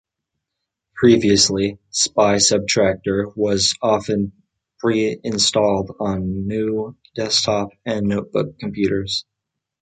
Previously, SpySubtracter was often pre-installed on new desktop and notebook computers.